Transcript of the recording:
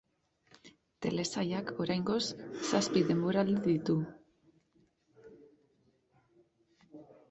Telesailak oraingoz zazpi denboraldi ditu.